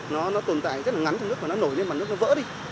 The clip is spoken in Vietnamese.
nó tồn tại rất là ngắn trong nước và nó nổi lên mà nước nó vỡ đi